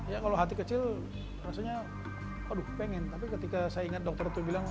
ya kalau hati kecil rasanya aduh pengen tapi ketika saya ingat dokter itu bilang